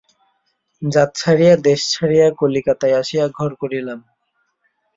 জাত ছাড়িয়া দেশ ছাড়িয়া কলিকাতায় আসিয়া ঘর করিলাম।